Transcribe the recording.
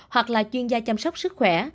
hoặc là chuyên gia chăm sóc sức khỏe